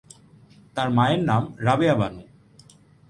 তার মায়ের নাম রাবেয়া বানু।